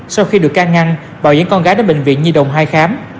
sau khi được can ngăn bảo dán con gái đến bệnh viện nhi đồng hai khám